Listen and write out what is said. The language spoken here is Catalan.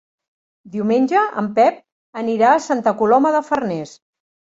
Diumenge en Pep anirà a Santa Coloma de Farners.